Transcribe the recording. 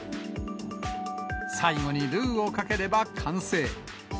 最後にルーをかければ完成。